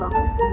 aduh duduk duduk